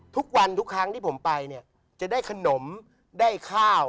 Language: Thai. ทุกวันทุกครั้งที่ผมไปเนี่ยจะได้ขนมได้ข้าว